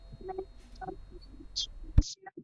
其北起荆棘岩礁间的海峡。